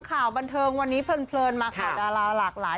ข่าวบันเทิงวันนี้เพลินมาของดาราหลากหลาย